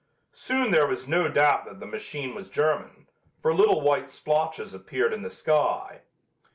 Soon there was no doubt that the machine was German, for little white splotches appeared in the sky.